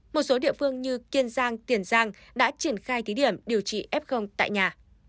một số địa phương như kiên giang tiền giang đã triển khai thí điểm điều trị f tại nhà